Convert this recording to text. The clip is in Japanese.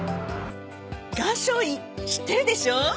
岩松院知ってるでしょ？